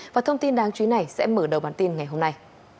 và thông tin đáng chú ý này sẽ mở đầu bản tin ngày hôm nay